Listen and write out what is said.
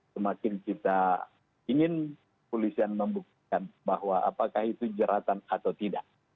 semakin kita ingin polisian membuktikan bahwa apakah itu jeratan atau tidak